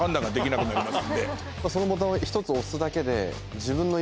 そのボタンを１つ押すだけで。